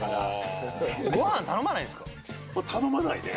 頼まないね。